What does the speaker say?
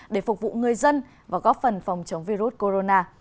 để phục vụ người dân và góp phần phòng chống virus corona